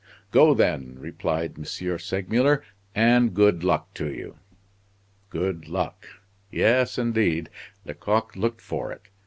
"Go, then," replied M. Segmuller, "and good luck to you!" Good luck! Yes, indeed, Lecoq looked for it.